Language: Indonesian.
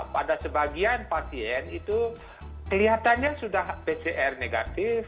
pada sebagian pasien itu kelihatannya sudah pcr negatif